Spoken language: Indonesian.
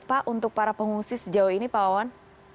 pak untuk para pengungsi sejauh ini pak wawan